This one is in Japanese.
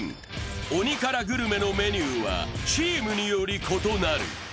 鬼辛グルメのメニューはチームにより異なる。